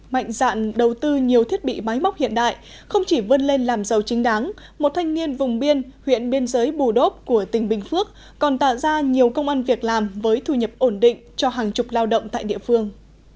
mạnh dạn đầu tư nhiều thiết bị máy móc hiện đại không chỉ vươn lên làm giàu chính đáng một thanh niên vùng biên huyện biên giới bù đốp của tỉnh bình phước còn tạo ra nhiều công an việc làm với thu nhập ổn định cho hàng chục lao động tại địa phương